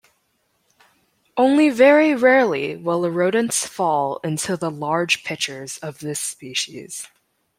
Only very rarely will the rodents fall into the large pitchers of this species.